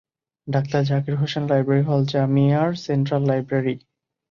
Doctor Zakir Hossain library হল জামিয়ার central library.